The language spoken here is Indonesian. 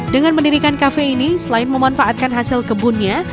dengan mendirikan kafe ini selain memanfaatkan hasil kebunnya